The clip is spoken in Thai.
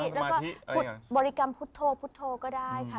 แล้วก็บริกรรมพุทธโธพุทธโธก็ได้ค่ะ